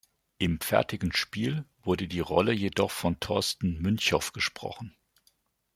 Im fertigen Spiel wurde die Rolle jedoch von Torsten Münchow gesprochen.